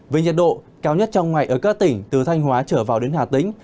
với nhật độ cao nhất trong ngày ở các tỉnh từ thanh hóa trở vào đến hà tĩnh